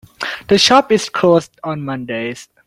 The shop is closed on mondays.